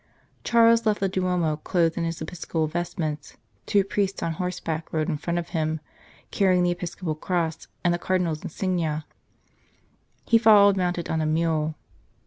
77 St. Charles Borromeo Charles left the Duomo clothed in his episcopal vestments ; two priests on horseback rode in front of him, carrying the episcopal cross and the Cardinal s insignia. He followed mounted on a mule.